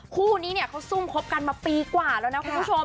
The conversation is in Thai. คู่นี้เนี่ยเขาซุ่มคบกันมาปีกว่าแล้วนะคุณผู้ชม